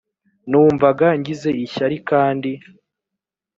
numvaga ngize ishyari kandi